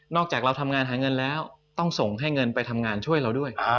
จากเราทำงานหาเงินแล้วต้องส่งให้เงินไปทำงานช่วยเราด้วย